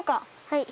はい。